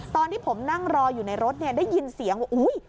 ตอนที่ผมนั่งรออยู่ในรถเนี่ยได้ยินเสียงว่าอุ๊ย